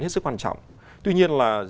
hết sức quan trọng tuy nhiên là